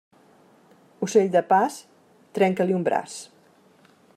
Ocell de pas, trenca-li un braç.